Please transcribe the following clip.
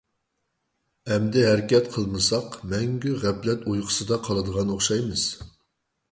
ئەمدى ھەرىكەت قىلمىساق، مەڭگۈ غەپلەت ئۇيقۇسىدا قالىدىغان ئوخشايمىز!